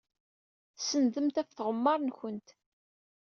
Tsenndemt ɣef tɣemmar-nwent.